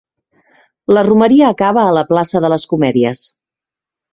La Romeria acaba a la plaça de les Comèdies.